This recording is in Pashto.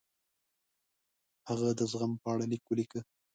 هغه د زغم په اړه لیک ولیکه.